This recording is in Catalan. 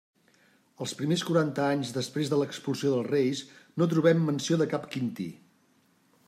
Els primers quaranta anys després de l'expulsió dels reis no trobem menció de cap Quinti.